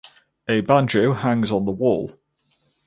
A banjo hangs on the wall.